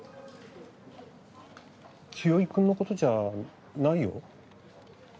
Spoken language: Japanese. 清居君のことじゃないよ？